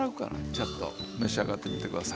ちょっと召し上がってみて下さい。